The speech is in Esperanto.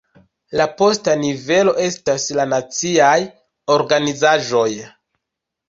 La posta nivelo estas la naciaj organizaĵoj.